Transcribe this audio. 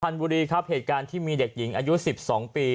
บุรีครับเหตุการณ์ที่มีเด็กหญิงอายุ๑๒ปี